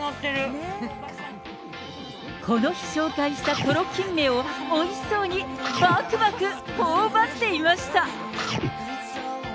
この日、紹介したトロキンメをおいしそうに、ばくばくほおばっていました。